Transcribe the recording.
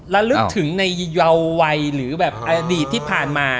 ระลึกถึงในเยาวัยหรือแบบอดีตที่ผ่านมา